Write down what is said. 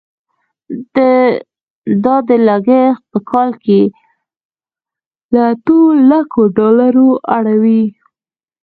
دا لګښت په کال کې له اتو لکو ډالرو اوړي.